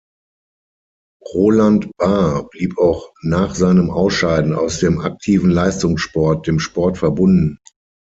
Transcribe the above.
Roland Baar blieb auch nach seinem Ausscheiden aus dem aktiven Leistungssport dem Sport verbunden.